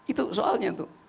itu soalnya tuh